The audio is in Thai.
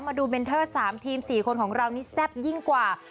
มาดูเมนเทอร์๓ทีม๔คนของเรานี่แซ่บยิ่งกว่า